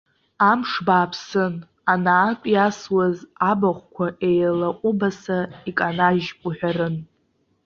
Амш бааԥсын, анаатә иасуаз абахәқәа еилаҟәыбаса иканажьп уҳәарын.